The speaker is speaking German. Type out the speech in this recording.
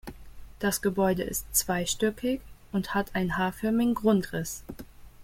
Das Gebäude ist zweistöckig und hat einen H-förmigen Grundriss.